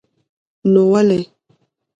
نو ولې.